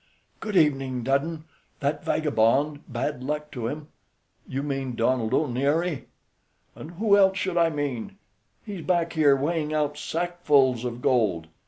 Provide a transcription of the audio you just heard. "Good evening, Dudden. That vagabond, bad luck to him " "You mean Donald O'Neary?" "And who else should I mean? He's back here weighing out sackfuls of gold."